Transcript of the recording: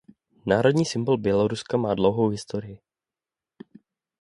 Národní symbol Běloruska má dlouhou historii.